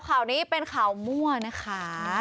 ข่าวนี้เป็นข่าวมั่วนะคะ